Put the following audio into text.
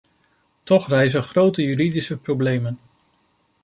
Toch rijzen grote juridische problemen.